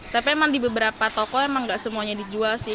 tapi emang di beberapa toko emang gak semuanya dijual sih